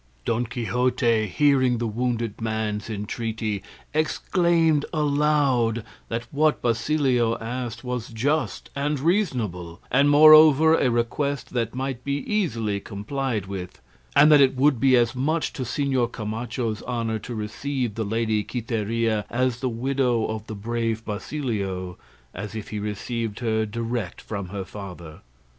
Don Quixote hearing the wounded man's entreaty, exclaimed aloud that what Basilio asked was just and reasonable, and moreover a request that might be easily complied with; and that it would be as much to Señor Camacho's honour to receive the lady Quiteria as the widow of the brave Basilio as if he received her direct from her father.